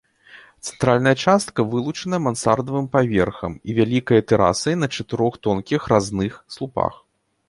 Цэнтральная частка вылучаная мансардавым паверхам і вялікай тэрасай на чатырох тонкіх разных слупах.